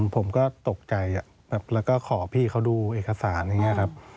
ผมก็ตกใจแล้วก็ขอพี่เขาดูเอกสารอย่างนี้ครับ